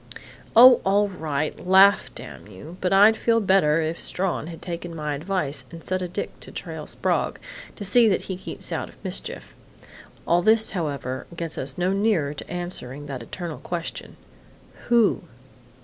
Oh, all right! Laugh, damn you! But I'd feel better if Strawn had taken my advice and set a dick to trail Sprague, to see that he keeps out of mischief.... All this, however, gets us no nearer to answering that eternal question 'Who?'"